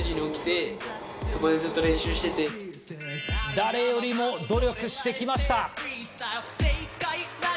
誰よりも努力してきました。